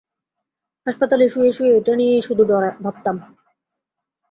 হাসপাতালে শুয়ে-শুয়ে এইটা নিয়েই শুধু ভাবতাম।